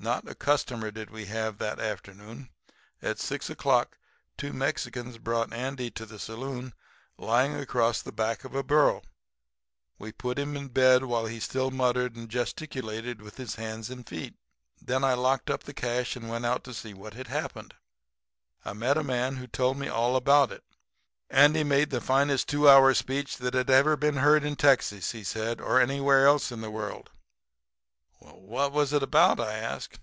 "Not a customer did we have that afternoon. At six o'clock two Mexicans brought Andy to the saloon lying across the back of a burro. We put him in bed while he still muttered and gesticulated with his hands and feet. "Then I locked up the cash and went out to see what had happened. I met a man who told me all about it. Andy had made the finest two hour speech that had ever been heard in Texas, he said, or anywhere else in the world. "'What was it about?' I asked.